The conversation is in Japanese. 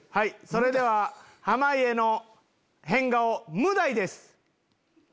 それでは濱家の変顔無題です。